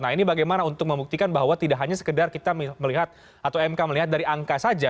nah ini bagaimana untuk membuktikan bahwa tidak hanya sekedar kita melihat atau mk melihat dari angka saja